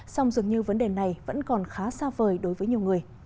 song dường như vấn đề này vẫn còn khá xa vời đối với nhiều người